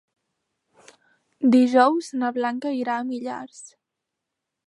Dijous na Blanca irà a Millars.